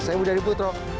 saya budi dari putro